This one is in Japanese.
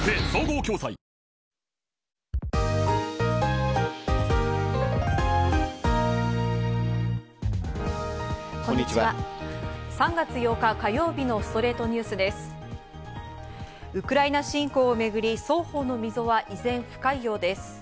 ３月８日、火曜日の『ストレイトニュース』です。